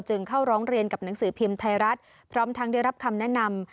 เข้าร้องเรียนกับหนังสือพิมพ์ไทยรัฐพร้อมทั้งได้รับคำแนะนำ